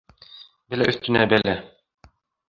Бәлә өҫтөнә бәлә.